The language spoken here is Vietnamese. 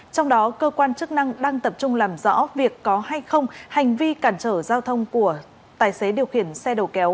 trong đó cơ quan chức năng đang tập trung làm rõ việc có hay không hành vi cản trở giao thông của tài xế điều khiển xe đầu kéo